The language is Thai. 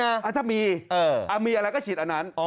อะมีอะไรก็ฉีดอันนั้น